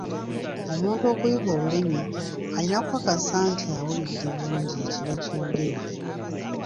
Omuntu okuyiga olulimi, alina okukakasa nti awulidde bulungi ekiba kyogerwa.